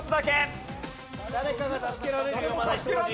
誰かが助けられるよまだ１人。